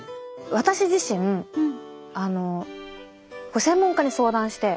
私自身専門家に相談して。